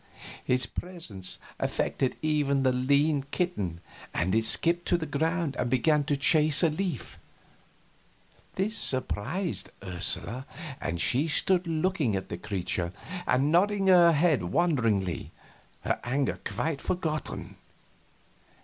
His presence affected even the lean kitten, and it skipped to the ground and began to chase a leaf. This surprised Ursula, and she stood looking at the creature and nodding her head wonderingly, her anger quite forgotten.